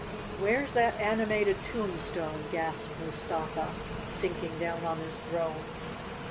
"Where's that animated tombstone?" gasped Mus¬ tafa, sinking down on his throne.